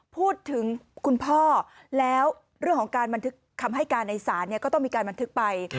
คุณพ่อแล้วเรื่องของการบันทึกคำให้การในศาลก็ต้องมีการบันทึกไป